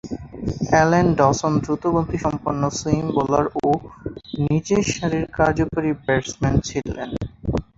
Allen Dawson দ্রুতগতিসম্পন্ন swing bowler ও নিচেরসারির কার্যকরী ব্যাটসম্যান ছিলেন।